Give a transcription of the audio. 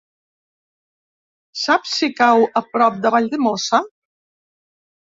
Saps si cau a prop de Valldemossa?